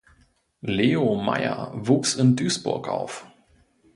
Leo Meier wuchs in Duisburg auf.